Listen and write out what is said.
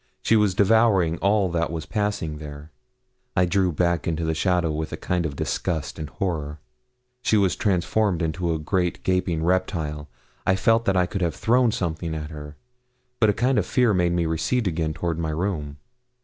She was devouring all that was passing there. I drew back into the shadow with a kind of disgust and horror. She was transformed into a great gaping reptile. I felt that I could have thrown something at her; but a kind of fear made me recede again toward my room.